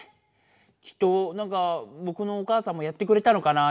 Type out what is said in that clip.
きっとなんかぼくのおかあさんもやってくれたのかな